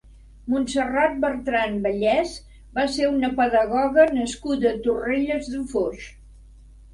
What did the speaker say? Montserrat Bertrán Vallès va ser una pedagoga nascuda a Torrelles de Foix.